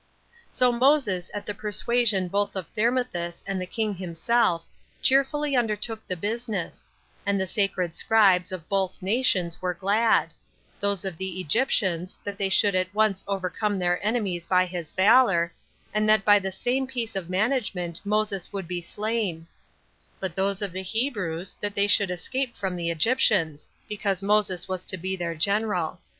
2. So Moses, at the persuasion both of Thermuthis and the king himself, cheerfully undertook the business: and the sacred scribes of both nations were glad; those of the Egyptians, that they should at once overcome their enemies by his valor, and that by the same piece of management Moses would be slain; but those of the Hebrews, that they should escape from the Egyptians, because Moses was to be their general.